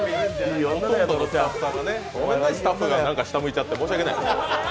スタッフがなんか下向いちゃって、申し訳ない。